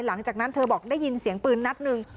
หลังจากนั้นเธอบอกได้ยินเสียงปืนนัดหนึ่ง